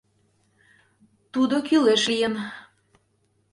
Тудо кӱлеш лийын.